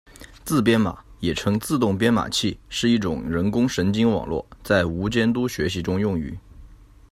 自编码，也称自动编码器，是一种人工神经网络，在无监督学习中用于。